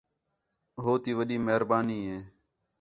ہوتی وَݙی مہربانی ہے